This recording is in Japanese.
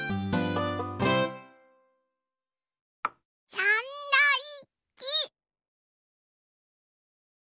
サンドイッチ。